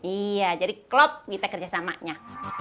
iya jadi klop kita kerjasamanya